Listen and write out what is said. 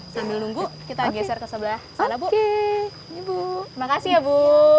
sambil nunggu kita geser ke sebelah sana bu